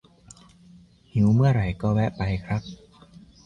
หิวเมื่อไหร่ก็แวะไปครับ